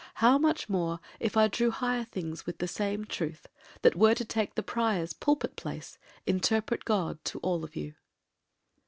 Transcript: How much more If I drew higher things with the same truth! That were to take the Prior's pulpit place, Interpret God to all of you.